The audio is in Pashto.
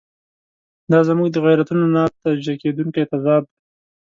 دا زموږ د غیرتونو نه توجیه کېدونکی تضاد دی.